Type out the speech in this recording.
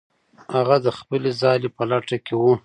هغه د خپلې ځالې په لټه کې و.